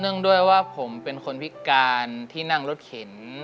ด้วยว่าผมเป็นคนพิการที่นั่งรถเข็น